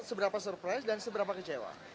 seberapa surprise dan seberapa kecewa